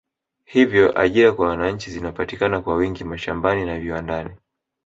Hivyo ajira kwa wananchi zinapatikana kwa wingi mashambani na viwandani